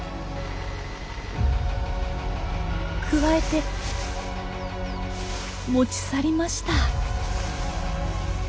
くわえて持ち去りました。